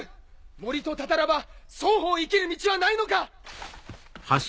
森とタタラ場双方生きる道はないのか？